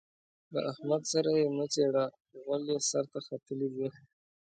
له احمد سره يې مه چېړه؛ غول يې سر ته ختلي دي.